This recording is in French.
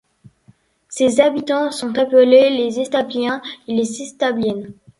Ses habitants sont appelés les Establiens et Establiennes.